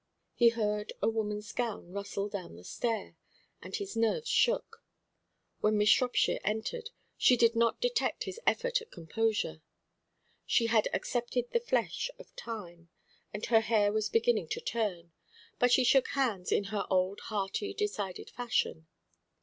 He heard a woman's gown rustle down the stair, and his nerves shook. When Miss Shropshire entered, she did not detect his effort at composure. She had accepted the flesh of time, and her hair was beginning to turn; but she shook hands in her old hearty decided fashion.